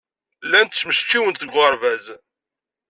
Llant ttmecčiwent deg uɣerbaz?